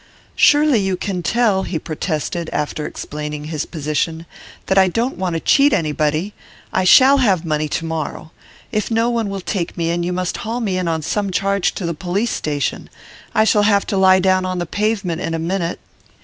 'Surely you can tell,' he protested, after explaining his position, 'that I don't want to cheat anybody. I shall have money to morrow. If no one will take me in you must haul me on some charge to the police station; I shall have to lie down on the pavement in a minute.